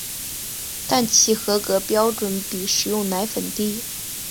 但其合格标准比食用奶粉低。